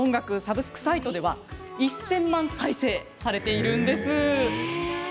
ところが今音楽サブスクサイトでは１０００万再生されているんです。